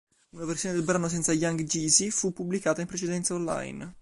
Una versione del brano senza Young Jeezy fu pubblicata in precedenza online.